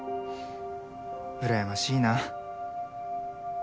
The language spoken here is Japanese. うらやましいな。